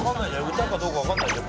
歌かどうか分かんないじゃん。